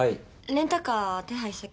レンタカー手配したけど。